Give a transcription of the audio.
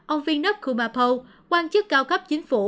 ông vinod kumapol quan chức cao cấp chính phủ